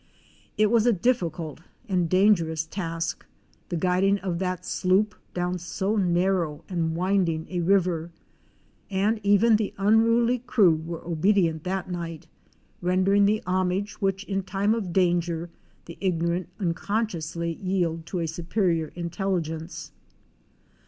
It was a difficult and dangerous task — the guiding of that sloop down so narrow and winding a river: and even the unruly crew were obedient that night, rendering the homage which in time of danger the ignorant uncon sciously yield to a superior intelligence.